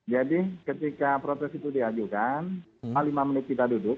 jadi ketika protes itu diajukan cuma lima menit kita duduk